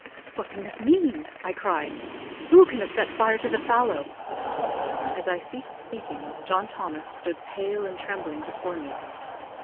"What can this mean?" I cried, "Who can have set fire to the fallow?" As I ceased speaking, John Thomas stood pale and trembling before me.